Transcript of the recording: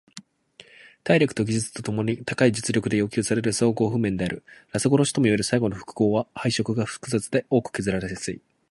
体力と技術共に高い実力で要求される総合力譜面である。ラス殺しともいえる最後の複合は配色が複雑で大きく削られやすい。